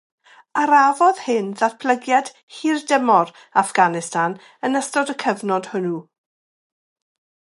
Arafodd hyn ddatblygiad hirdymor Affganistan yn ystod y cyfnod hwnnw.